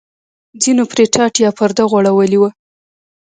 ځینو پرې ټاټ یا پرده غوړولې وه.